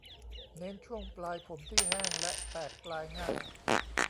เน้นช่วงปลายผมที่แห้งและแตกปลายง่าย